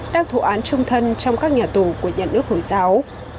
đang thụ án trung thân trong các nhà tù của nhà nước hồi giáo